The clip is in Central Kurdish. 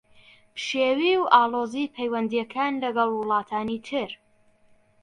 پشێوی و ئاڵۆزیی پەیوەندییەکان لەگەڵ وڵاتانی تر